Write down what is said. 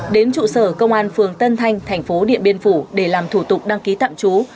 đến trụ sở công an phường tân thanh thành phố điện biên phủ để làm thủ tục đăng ký tạm trú